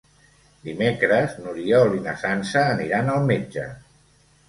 Dimecres n'Oriol i na Sança aniran al metge.